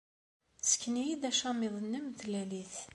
Ssken-iyi-d acamiḍ-nnem n tlalit.